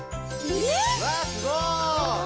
うわっすごい！